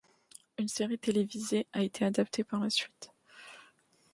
Une série télévisée a été adaptée par la suite.